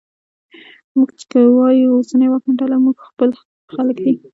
موږ که وایوو چې اوسنۍ واکمنه ډله مو خپل خلک دي